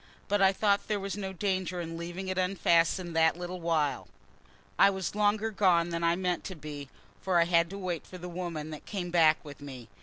But I thought there was no danger in leaving it unfastened that little while. I was longer than I meant to be, for I had to wait for the woman that came back with me.